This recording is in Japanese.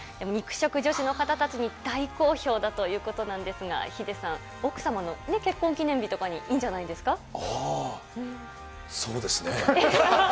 肉食女子の方たちに大好評だということなんですが、ヒデさん、奥様の結婚記念日とかにいいんじゃないですか？